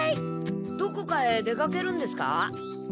どこかへ出かけるんですか？